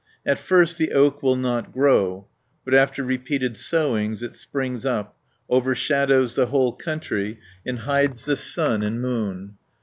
At first the oak will not grow, but after repeated sowings it springs up, overshadows the whole country, and hides the sun and moon (43 110).